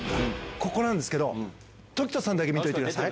ここなんですけど、凱人さんだけ見ててください。